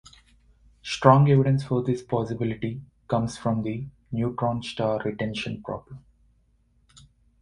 Strong evidence for this possibility comes from the "neutron star retention problem".